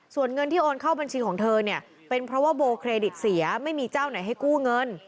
ส่วนเงินที่โอนเข้าบัญชีของเธอเนี่ยเป็นเพราะว่าโบเครดิตเสียไม่มีเจ้าไหนให้กู้เงิน